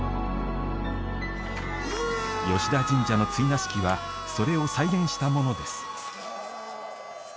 吉田神社の追儺式はそれを再現したものです。